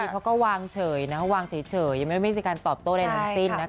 เขาก็วางเฉยยังไม่ได้มีที่การตอบโต้ในทางสิ้นนะคะ